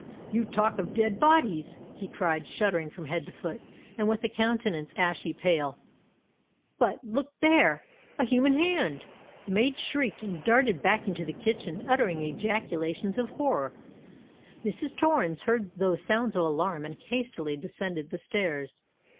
"You talk of dead bodies," he cried, shuddering from head to foot, and with a countenance ashy pale;—"but look there—a human hand——" The maid shrieked, and darted back into the kitchen, uttering ejaculations of horror. Mrs. Torrens heard those sounds of alarm, and hastily descended the stairs.